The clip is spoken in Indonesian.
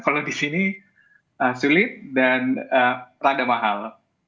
kalau di sini sulit dan rada mahal